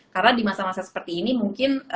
karena di masa masa seperti ini mungkin